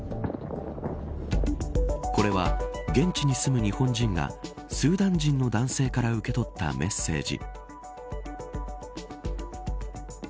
これは、現地に住む日本人がスーダン人の男性から受け取ったメッセージ。